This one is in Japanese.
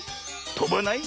とばない？